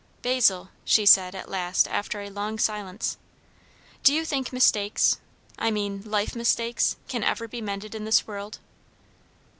"Basil," she said at last after a long silence, "do you think mistakes, I mean life mistakes, can ever be mended in this world?"